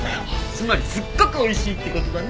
つまりすっごくおいしいって事だね！